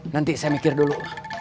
nanti saya mikir dulu